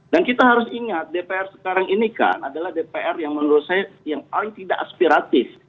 dan kita harus ingat dpr sekarang ini kan adalah dpr yang menurut saya yang paling tidak aspiratif